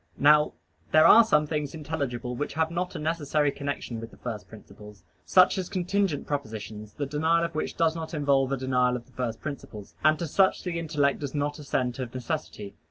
Now there are some things intelligible which have not a necessary connection with the first principles; such as contingent propositions, the denial of which does not involve a denial of the first principles. And to such the intellect does not assent of necessity.